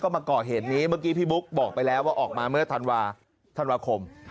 เมื่อกี้พี่ปุ้กบอกไปแล้วออกมาเมื่อธันวาคม